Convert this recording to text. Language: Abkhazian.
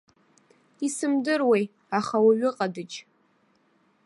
Исымдыруеи, аха ауаҩы ҟадыџь.